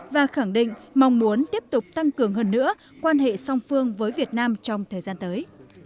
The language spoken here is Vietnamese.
và khẳng định mong muốn tiếp tục tăng cường hơn nữa quan hệ song phương với việt nam trong thời gian tới